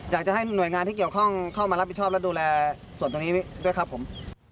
อยากจะให้หน่วยงานที่เกี่ยวข้องเข้ามารับผิดชอบและดูแลส่วนตรงนี้ด้วยครับผม